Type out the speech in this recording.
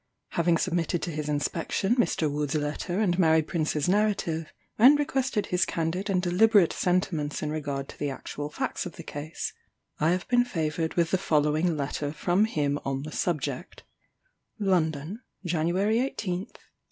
Having submitted to his inspection Mr. Wood's letter and Mary Prince's narrative, and requested his candid and deliberate sentiments in regard to the actual facts of the case, I have been favoured with the following letter from him on the subject: "London, January 18, 1831.